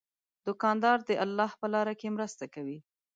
دوکاندار د الله په لاره کې مرسته کوي.